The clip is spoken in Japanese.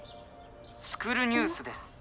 「スクる！ニュース」です。